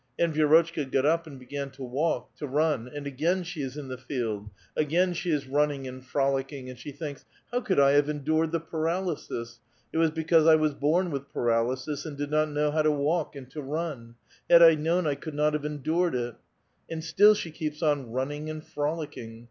" And Vi^rotchka got up and began to walk, to run, and again she is in the field ; again she is running and frolicking, and she thinks: ''How could I have endured the paralysis? It was because I was born with paralysis and did not know how to walk and to run ! Had I known, I could not have endured it." And still she keeps on running and frolicking.